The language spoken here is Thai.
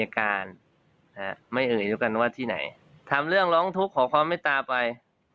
การไม่เอ่ยอยู่กันว่าที่ไหนทำเรื่องร้องทุกข์ขอความไม่ตาไป